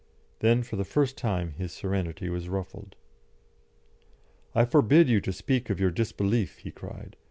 Then for the first time his serenity was ruffled. "I forbid you to speak of your disbelief," he cried.